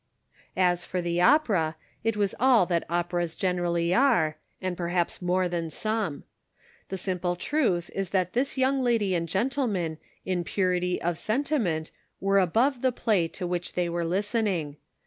As for the opera, it was all that operas gen erally are, and perhaps more than some. The simple truth is that this young lady and gen tleman in purity of sentiment were above the play to which they were listening.